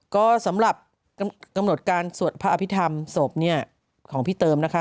ก็สำหรับกำหนดการสวดพระอภิษฐรรมศพเนี่ยของพี่เติมนะคะ